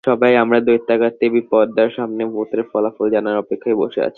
সবাই আমরা দৈত্যাকার টিভি পর্দার সামনে ভোটের ফলাফল জানার অপেক্ষায় বসে আছি।